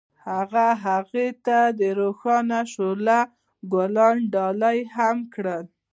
هغه هغې ته د روښانه شعله ګلان ډالۍ هم کړل.